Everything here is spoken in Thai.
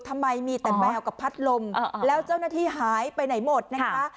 ทำไมมีแต่แมวกับพัดลมแล้วเจ้าหน้าที่หายไปไหนหมดนะคะ